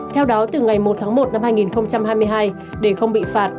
theo đó từ ngày một tháng một năm hai nghìn hai mươi hai để không bị phạt